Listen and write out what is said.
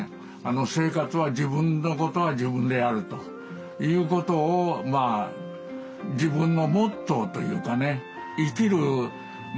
生活は自分のことは自分でやるということを自分のモットーというかね生きる柱にしてるんですね。